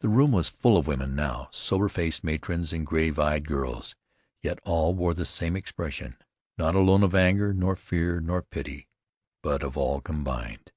The room was full of women now, sober faced matrons and grave eyed girls, yet all wore the same expression, not alone of anger, nor fear, nor pity, but of all combined.